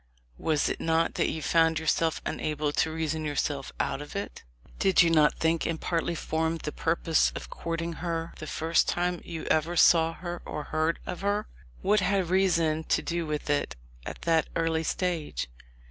Was it not that you found yourself un able to reason yourself out of it? Did you not think, and partly form the purpose, of courting her the first time you ever saw her or heard of her? What had reason to do with it at that early stage?